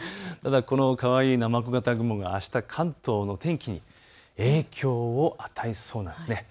このかわいいナマコ型雲が関東の天気に影響を与えそうなんです。